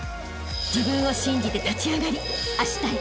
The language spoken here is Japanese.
［自分を信じて立ち上がりあしたへ